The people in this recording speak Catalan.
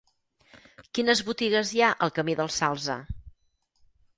Quines botigues hi ha al camí del Salze?